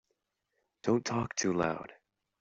Don't talk too loud.